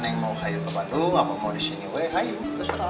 neng mau ke bandung apa mau ke sini ayo